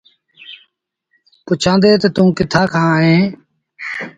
پُڇيآندي تا، توٚنٚ ڪِٿآنٚ کآݩ اهينٚ؟